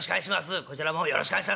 こちらもよろしくお願いします